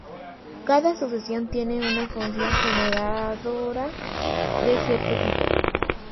Cada sucesión tiene una función generadora de cierto tipo.